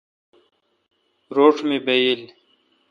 روݭ می بایل۔